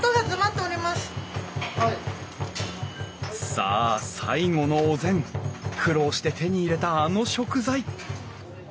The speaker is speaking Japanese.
さあ最後のお膳苦労して手に入れたあの食材。